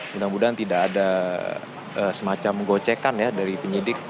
mudah mudahan tidak ada semacam gocekan ya dari penyidik